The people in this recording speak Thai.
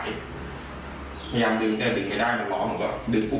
พยายามดึงแต่ดึงไม่ได้ดึงเพราะว่าดึงปุ๊บ